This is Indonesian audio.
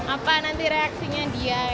apa nanti reaksinya dia